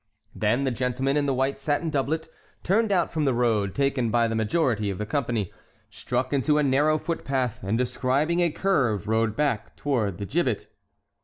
Then the gentleman in the white satin doublet turned out from the road taken by the majority of the company, struck into a narrow footpath, and describing a curve rode back toward the gibbet.